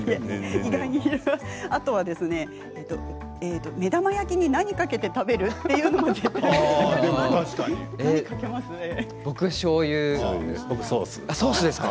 あと目玉焼きに何をかけて食べる？というのも何をかけますか？